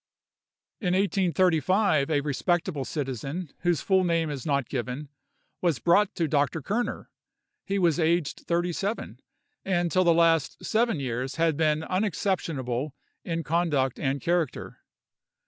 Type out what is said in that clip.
In 1835, a respectable citizen, whose full name is not given, was brought to Dr. Kerner. He was aged thirty seven, and till the last seven years had been unexceptionable in conduct and character.